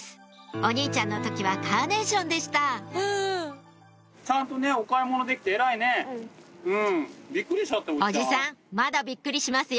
お兄ちゃんの時はカーネーションでしたおじさんまだびっくりしますよ